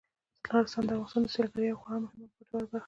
نورستان د افغانستان د سیلګرۍ یوه خورا مهمه او ګټوره برخه ده.